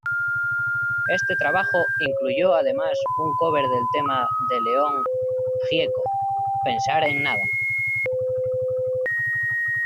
Este trabajo incluyó además un cover del tema de León Gieco "Pensar en nada".